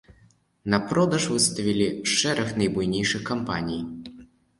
На продаж выставілі шэраг найбуйнейшых кампаній.